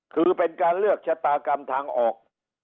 คือเป็นการเลือกชะตากรรมทางออก